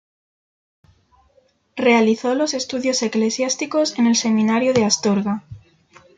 Realizó los estudios eclesiásticos en el seminario de Astorga.